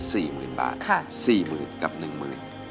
สู้